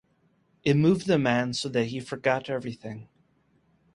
It moved the man so that he forgot everything.